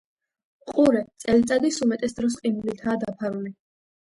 ყურე წელიწადის უმეტეს დროს ყინულითაა დაფარული.